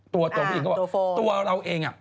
ตัวตัวพี่อีกก็ว่าตัวเราเองอะ